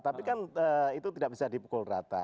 tapi kan itu tidak bisa dipukul rata